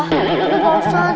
tidak pak ustadz